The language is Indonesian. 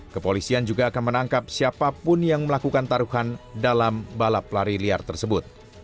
kepolisian juga akan menangkap siapapun yang melakukan taruhan dalam balap lari liar tersebut